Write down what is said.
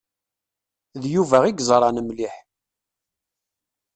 D Yuba i yeẓṛan mliḥ.